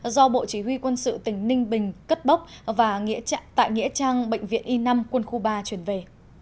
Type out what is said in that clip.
do bộ chỉ huy quân sự tỉnh ninh bình cất bốc và tại nghĩa trang bệnh viện i năm quân khu ba chuyển về